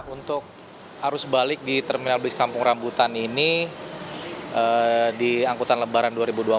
untuk arus balik di terminal bus kampung rambutan ini di angkutan lebaran dua ribu dua puluh